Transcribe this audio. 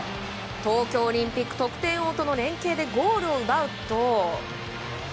東京オリンピック得点王との連係でゴールを奪うと。